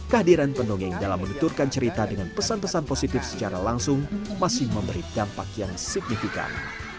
kehadiran pendongeng dalam menuturkan cerita dengan pesan pesan positif secara langsung masih memberi dampak yang signifikan